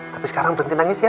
tapi sekarang berhenti nangis ya